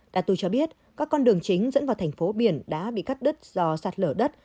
natu cho biết các con đường chính dẫn vào thành phố biển đã bị cắt đứt do sạt lở đất